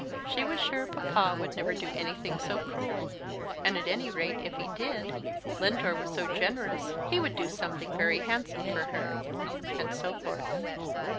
She was sure papa would never do anything so cruel; and at any rate, if he did, Lindore was so generous, he would do something very handsome for her; and so forth.